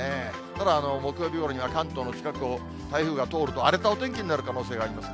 ただ、木曜日ごろには関東の近くを台風が通ると、荒れたお天気になる可能性があります。